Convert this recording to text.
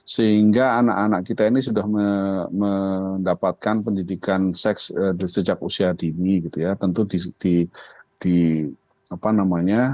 sehingga anak anak kita ini sudah mendapatkan pendidikan seks sejak usia dini gitu ya